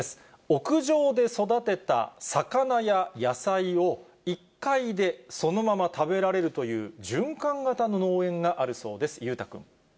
屋上で育てた魚や野菜を、１階でそのまま食べられるという循環型の農園があるそうです。